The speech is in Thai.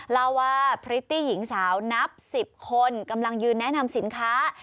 เล่าว่าพริตตี้หญิงสาวนับ๑๐คนกำลังยืนแนะนำสินค้า